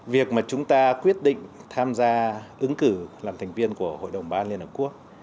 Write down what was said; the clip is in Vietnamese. việc mà chúng ta quyết định tham gia ứng cử làm thành viên của hội đồng bảo an liên hợp quốc